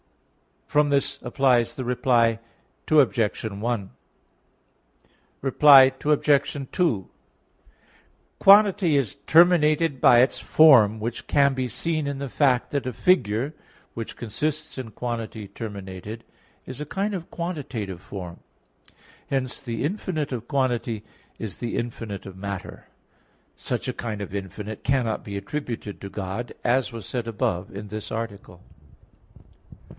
From this appears the Reply to the First Objection. Reply Obj. 2: Quantity is terminated by its form, which can be seen in the fact that a figure which consists in quantity terminated, is a kind of quantitative form. Hence the infinite of quantity is the infinite of matter; such a kind of infinite cannot be attributed to God; as was said above, in this article.